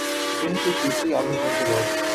یہی کچھ دوسری عالمی جنگ کے بعد